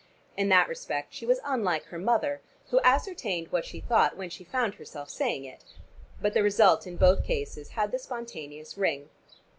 In that respect she was unlike her mother, who ascertained what she thought when she found herself saying it. But the result in both cases had the spontaneous ring.